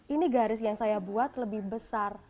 ini garis yang saya buat lebih besar